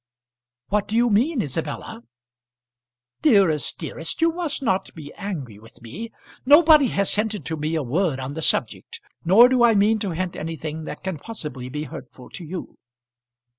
"What do you mean, Isabella?" "Dearest, dearest; you must not be angry with me. Nobody has hinted to me a word on the subject, nor do I mean to hint anything that can possibly be hurtful to you."